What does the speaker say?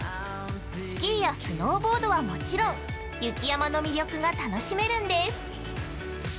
スキーやスノーボードはもちろん、雪山の魅力が楽しめるんです。